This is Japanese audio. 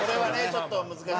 ちょっと難しい。